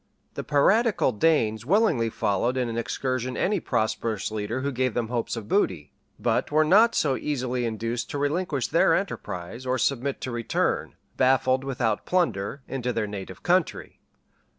The piratical Danes willingly followed in an excursion any prosperous leader who gave them hopes of booty, but were not so easily induced to relinquish their enterprise, or submit to return, baffled and without plunder, into their native country.